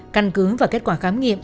căn cứ và kết quả khám nghiệm